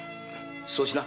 そうしな。